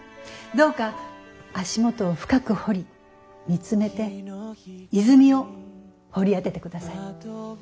どうか足元を深く掘り見つめて泉を掘り当ててください。